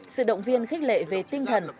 sự động viên khích lệ về tinh thần